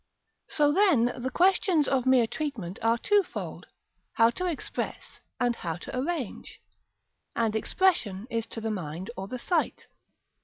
§ II. So, then, the questions of mere treatment are twofold, how to express, and how to arrange. And expression is to the mind or the sight.